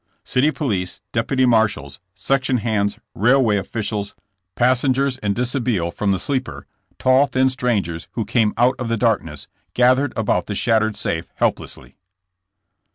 City police, deputy marshals, sections hands, railway officials, passengers in dishabille from the sleeper, tall, thin strangers who came out of the darkness, gathered about the shattered safe helplessly.